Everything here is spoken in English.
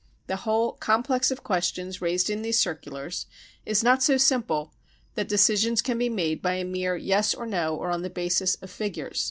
The whole complex of questions raised in these circulars is not so simple THE PERSECUTION OP JEWS 277 that decisions can be made by a mere e Yes 9 or 6 No 5 or on the basis of figures.